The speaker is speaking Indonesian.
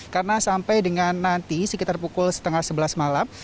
karena sampai dengan nanti sekitar pukul setengah sebelas malam